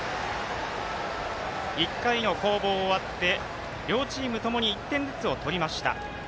１回の攻防終わって両チームともに１点ずつを取りました。